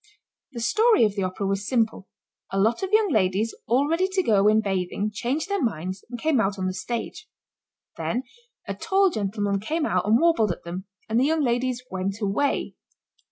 The story of the Opera was simple. A lot of young ladies all ready to go in bathing changed their minds and came out on the stage. Then a tall gentleman came out and warbled at them and the young ladies went away.